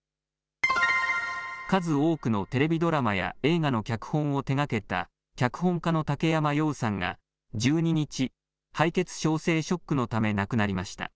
数多くのテレビドラマや映画の脚本を手がけた、脚本家の竹山洋さんが１２日、敗血症性ショックのため亡くなりました。